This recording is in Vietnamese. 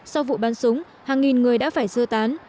sau vụ bắn súng hàng nghìn người đã phải sơ tán